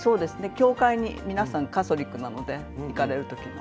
教会に皆さんカソリックなので行かれる時には。